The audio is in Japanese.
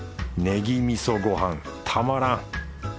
ねぎ味噌ごはんたまらん。